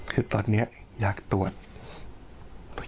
คือตอนนี้อยากตรวจ